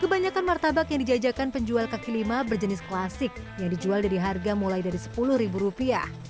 kebanyakan martabak yang dijajakan penjual kaki lima berjenis klasik yang dijual dari harga mulai dari rp sepuluh